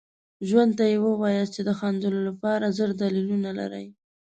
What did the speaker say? ژوند ته یې وښایاست چې د خندلو لپاره زر دلیلونه لرئ.